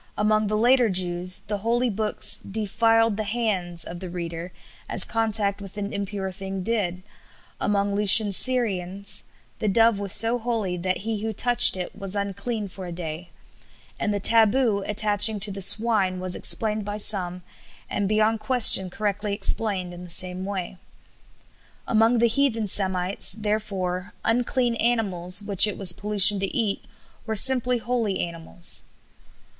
Among the later Jews the Holy Books 'defiled the hands' of the reader as contact with an impure thing did; among Lucian's Syrians the dove was so holy that he who touched it was unclean for a day; and the taboo attaching to the swine was explained by some, and beyond question correctly explained, in the same way. Among the heathen Semites, therefore, unclean animals, which it was pollution to eat, were simply holy animals."